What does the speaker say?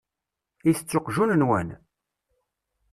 Itett uqjun-nwen?